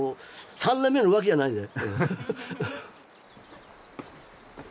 「３年目の浮気」じゃないで。